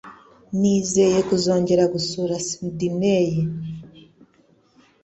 Nizeye kuzongera gusura Sydney.